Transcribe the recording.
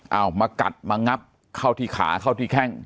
เอามากัดมางับเข้าที่ขาเข้าที่แข้ง